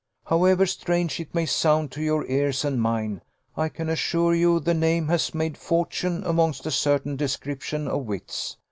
However strange it may sound to your ears and mine, I can assure you the name has made fortune amongst a certain description of wits.